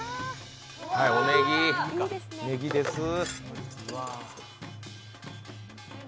はい、おねぎ、ねぎですぅ。